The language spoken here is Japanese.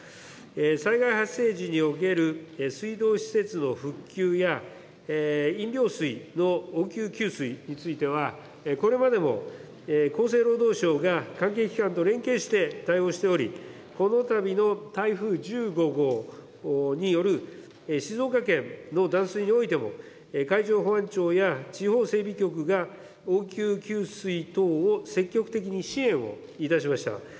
災害発生時における水道施設の復旧や、飲料水の応急給水については、これまでも厚生労働省が関係機関と連携して対応しており、このたびの台風１５号による静岡県の断水においても、海上保安庁や地方整備局が応急給水等を積極的に支援をいたしました。